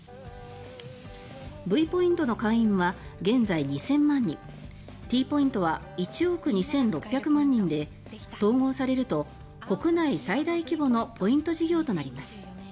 Ｖポイントの会員は現在２０００万人Ｔポイントは１億２６００万人で統合されると国内最大規模のポイント事業となります。